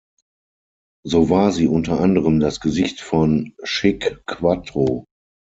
So war sie unter anderem das Gesicht von "Schick Quattro".